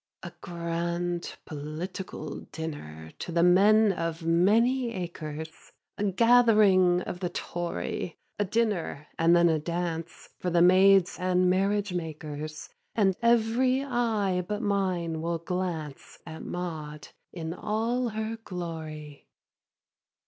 3. A grand political dinner To the men of many acres, A gathering of the Tory, A dinner and then a dance For the maids and marriage makers, And every eye but mine will glance At Maud in all her glory.